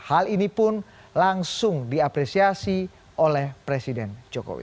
hal ini pun langsung diapresiasi oleh presiden jokowi